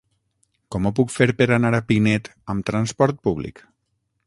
Com ho puc fer per anar a Pinet amb transport públic?